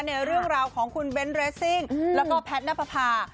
ในเรื่องราวของคุณเบ้นเรสซิ่งแล้วก็แพทย์นับประพา